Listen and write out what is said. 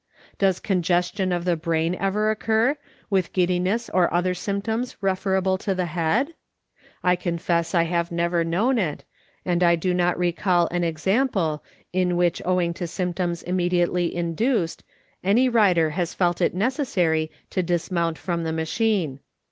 Does congestion of the brain ever occur, with giddiness or other symptoms referable to the head ? I confess I have never known it, and I do not recall an example in which owing to symptoms immediately induced any rider has felt it neces sary to dismount from the machine.